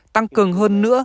tăng cường hơn nữa